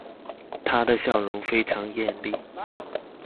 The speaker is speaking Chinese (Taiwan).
她的笑容非常豔麗